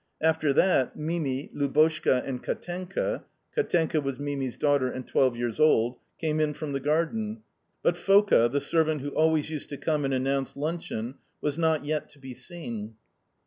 After that, Mimi, Lubotshka, and Katenka. (Katenka was Mimi's daughter, and twelve years old) came in from the garden, but Foka (the servant who always used to come and announce luncheon) was not yet to be seen.